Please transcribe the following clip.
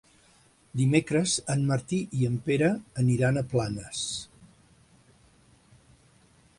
Dimecres en Martí i en Pere aniran a Planes.